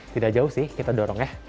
tidak jauh sih kita dorong ya